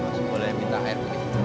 mas boleh minta air